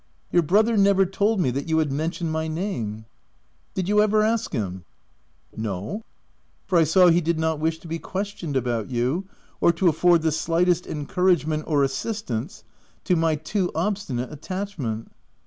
5 '" Your brother never told me that you had mentioned my name/ 5 "Did you ever ask him ?'*" No ; for I saw he did not wish to be ques tioned about you, or to afford the slightest encouragement or assistance to my too obsti nate attachment."